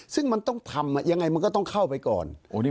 ซึ่งมันต้องทำยังไงมันก็ต้องเข้าไปก่อน